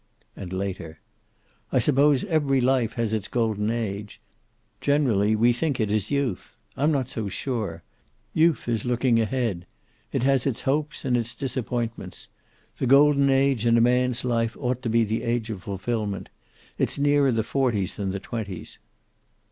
And later, "I suppose every life has its Golden Age. Generally we think it is youth. I'm not so sure. Youth is looking ahead. It has its hopes and its disappointments. The Golden Age in a man's life ought to be the age of fulfillment. It's nearer the forties than the twenties."